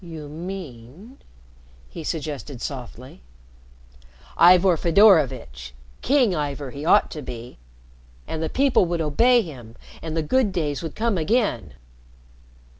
"You mean ?" he suggested softly. "Ivor Fedorovitch. King Ivor he ought to be. And the people would obey him, and the good days would come again."